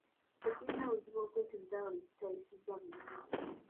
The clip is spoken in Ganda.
Tekirina buzibu okwetondera abo be tutayisizza bulungi.